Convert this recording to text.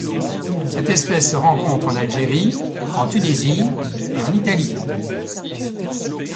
Cette espèce se rencontre en Algérie, en Tunisie et en Italie.